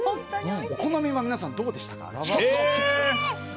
お好みは皆さん、どれですか？